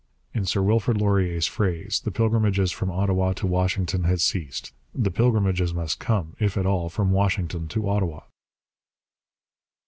In Sir Wilfrid Laurier's phrase, the pilgrimages from Ottawa to Washington had ceased: the pilgrimages must come, if at all, from Washington to Ottawa.